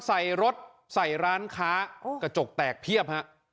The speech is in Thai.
ใส่รถใส่ร้านค้ากระจกแตกเพียบฮะ